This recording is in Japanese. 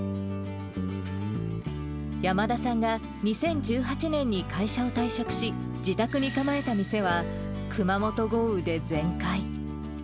山田さんが２０１８年に会社を退職し、自宅に構えた店は、熊本豪雨で全壊。